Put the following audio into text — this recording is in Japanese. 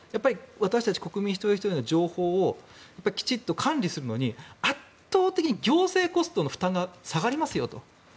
私たち国民一人ひとりの情報をきちっと管理するのに圧倒的に行政コストの負担が下がりますよと。